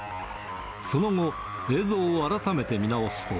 その後、映像を改めて見直すと、